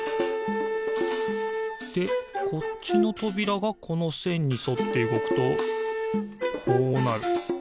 でこっちのとびらがこのせんにそってうごくとこうなる。